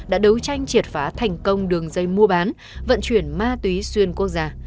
đã đấu tranh triệt phá thành công đường dây mua bán vận chuyển ma túy xuyên quốc gia